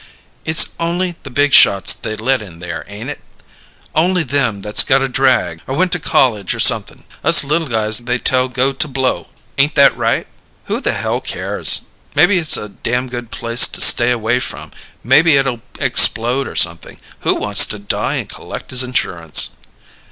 "It's only the big shots they let in there ain't it? Only them that's got a drag or went to college or something. Us little guys they tell go to blow ain't that right?" "Who the hell cares? Maybe it's a damn good place to stay away from. Maybe it'll explode or something. Who wants to die and collect his insurance?"